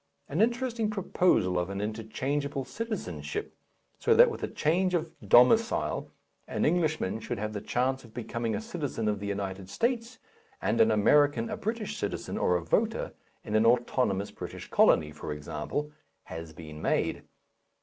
An interesting proposal of an interchangeable citizenship, so that with a change of domicile an Englishman should have the chance of becoming a citizen of the United States, and an American a British citizen or a voter in an autonomous British colony, for example, has been made.